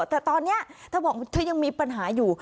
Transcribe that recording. แต่ตอนนี้เธอบอกว่าเธอยังมีปัญหาอยู่